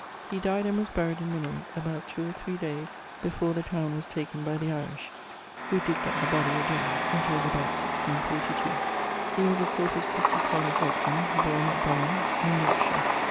He dyed and was buried in Limrick about two or three daies before the towne was taken by the Irish, who digged up the body again it was about 1642. He was of Corpus Christi College, Oxon: borne at Brumhum in Wiltshire.